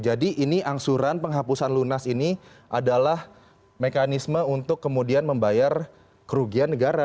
jadi ini angsuran penghapusan lunas ini adalah mekanisme untuk kemudian membayar kerugian negara